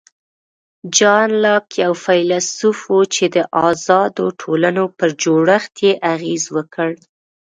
جان لاک یو فیلسوف و چې د آزادو ټولنو پر جوړښت یې اغېز وکړ.